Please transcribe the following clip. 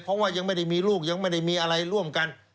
เพราะว่ายังไม่ได้มีลูกยังไม่ได้มีอะไรร่วมกัน